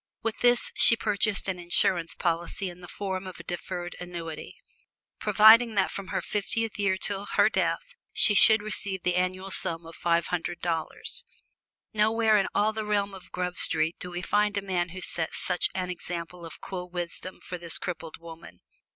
With this she purchased an insurance policy in the form of a deferred annuity, providing that from her fiftieth year to her death she should receive the annual sum of five hundred dollars. Nowhere in all the realm of Grub Street do we find a man who set such an example of cool wisdom for this crippled woman.